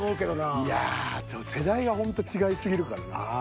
いや世代がほんと違い過ぎるからなぁ。